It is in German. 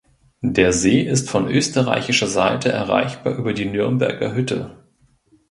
Der See ist von österreichischer Seite erreichbar über die Nürnberger Hütte.